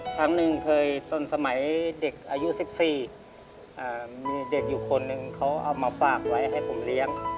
ครั้งหนึ่งเคยตอนสมัยเด็กอายุ๑๔มีเด็กอยู่คนหนึ่งเขาเอามาฝากไว้ให้ผมเลี้ยง